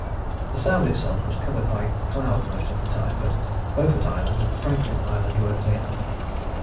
The Sound itself was covered by cloud most of the time, but Beaufort Island and Franklin Island were clear.